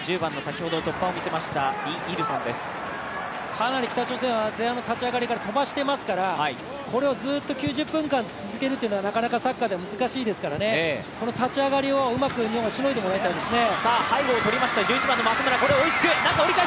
かなり北朝鮮は前半の立ち上がりから飛ばしていますから、これをずっと９０分間続けるというのは、なかなかサッカーでは難しいですから、この立ち上がりをうまく日本はしのいでほしいですね。